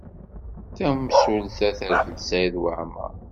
Tamsulta terfed Saɛid Waɛmaṛ.